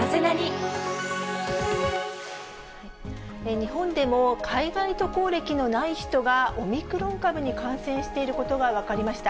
日本でも、海外渡航歴のない人がオミクロン株に感染していることが分かりました。